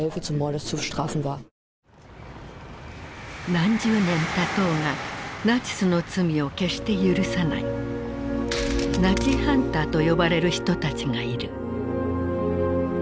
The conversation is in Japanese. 何十年たとうがナチスの罪を決して赦さないナチハンターと呼ばれる人たちがいる。